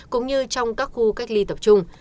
cũng như trong các khu cách ly tập trung